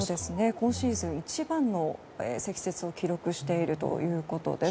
今シーズン一番の積雪を記録しているということです。